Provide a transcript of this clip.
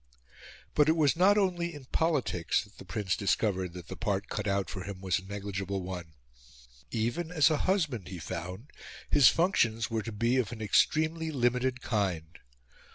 But it was not only in politics that the Prince discovered that the part cut out for him was a negligible one. Even as a husband, he found, his functions were to be of an extremely limited kind.